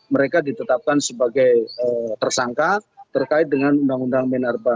mereka ditetapkan sebagai tersangka terkait dengan undang undang minerba